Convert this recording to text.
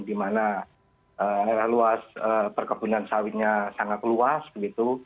dimana luas perkebunan sawitnya sangat luas begitu